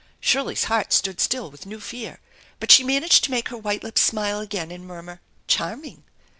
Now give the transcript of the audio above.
Shirley's heart stood still with new fear, but she managed to make her white lips smile again and murmur, "Charming